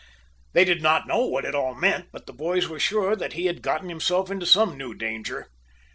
They did not know what it all meant, but the boys were sure that he had gotten himself into some new danger.